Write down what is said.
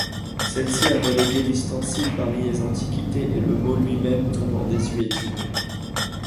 Celle-ci a relégué l'ustensile parmi les antiquités et le mot lui-même tombe en désuétude.